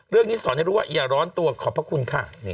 เรื่องนี้สอนให้รู้ว่าอย่าร้อนตัวขอบพระคุณค่ะ